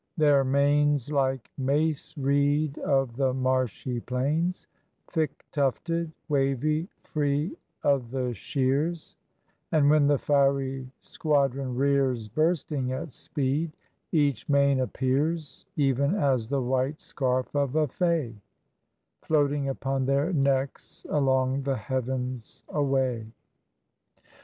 their manes Like mace reed of the marshy plains Thick tufted, wavy, free o' the shears: And when the fiery squadron rears Bursting at speed, each mane appears Even as the white scarf of a fay Floating upon their necks along the heavens away.